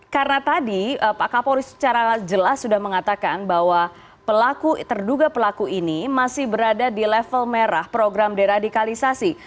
karena tadi pak kapolis secara jelas sudah mengatakan bahwa terduga pelaku ini masih berada di level merah program deradikalisasi